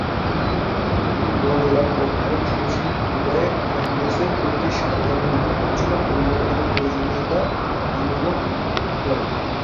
বড়লাট ও ভারত সচিব উভয়েই কংগ্রেসের প্রতি সরকারি নীতির কিছুটা পরিবর্তনের প্রয়োজনীয়তা অনুভব করেন।